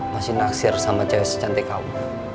masih naksir sama cewek secantik kamu